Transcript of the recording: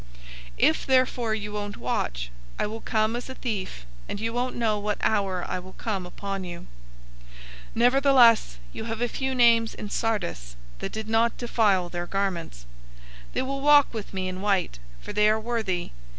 If therefore you won't watch, I will come as a thief, and you won't know what hour I will come upon you. 003:004 Nevertheless you have a few names in Sardis that did not defile their garments. They will walk with me in white, for they are worthy.